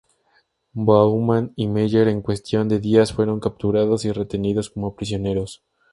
Baumann y Meyer, en cuestión de días, fueron capturados y retenidos como prisioneros.